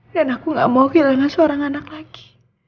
dan aku gak mau kehilangan seorang anak lagi